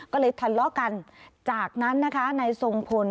ก็เลยทันล่อกันจากนั้นนะคะในทรงพล